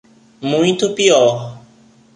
Muito pior